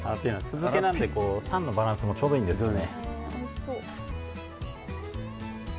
酢漬けなので酸のバランスもちょうどいいんですよ。